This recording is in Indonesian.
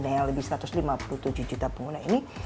yang lebih satu ratus lima puluh tujuh juta pengguna